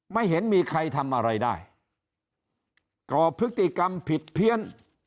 ไม่เห็นมีใครทำอะไรได้ก่อพฤติกรรมผิดเพี้ยน